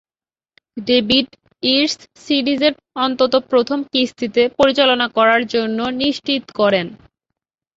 David Yates সিরিজের অন্তত প্রথম কিস্তিতে পরিচালনা করার জন্য নিশ্চিত করেন।